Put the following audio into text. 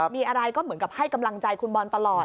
มีอะไรก็เหมือนกับให้กำลังใจคุณบอลตลอด